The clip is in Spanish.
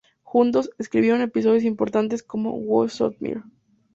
Juntos, escribieron episodios importantes, como "Who Shot Mr.